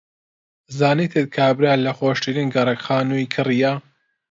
زانیتت کابرا لە خۆشترین گەڕەک خانووی کڕییە.